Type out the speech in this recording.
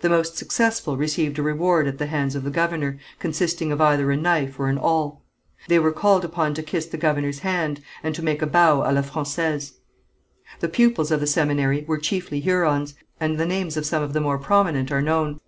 The most successful received a reward at the hands of the governor, consisting of either a knife or an awl. They were called upon to kiss the governor's hand, and to make a bow à la française. The pupils of the seminary were chiefly Hurons, and the names of some of the more prominent are known.